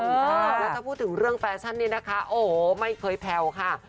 แล้วถ้าพูดถึงเรื่องแฟชั่นนี้นะคะโอ้โหไม่เคยแผ่วค่ะ